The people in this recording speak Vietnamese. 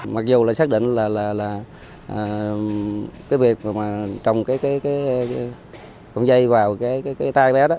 mặc dù là xác định là cái việc mà trồng cái không dây vào cái tay bé đó